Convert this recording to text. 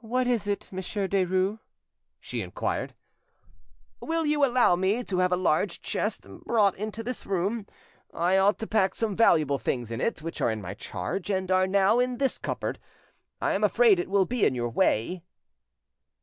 "What is it, Monsieur Derues?" she inquired. "Will you allow me to have a large chest brought into this room? I ought to pack some valuable things in it which are in my charge, and are now in this cupboard. I am afraid it will be in your way."